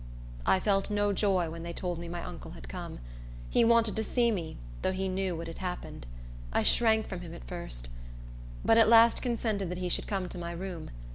I felt no joy when they told me my uncle had come. He wanted to see me, though he knew what had happened. I shrank from him at first; but at last consented that he should come to my room.